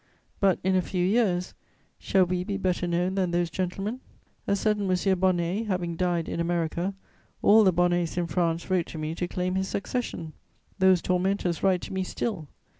But, in a few years, shall we be better known than those gentlemen? A certain M. Bonnet having died in America, all the Bonnets in France wrote to me to claim his succession; those tormentors write to me still!